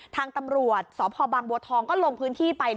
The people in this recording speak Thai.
ทางตำรวจสพบางบัวทองก็ลงพื้นที่ไป